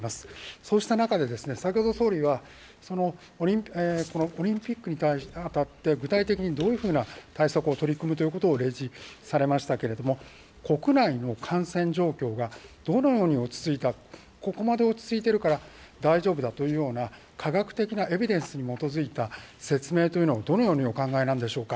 そうした中で、先ほど総理はオリンピックにあたって具体的にどういうふうな対策を取り組むということを例示されましたけれども、国内の感染状況がどのように落ち着いたら、ここまで落ち着いてるから大丈夫だというような科学的なエビデンスに基づいた説明というのをどのようにお考えなんでしょうか。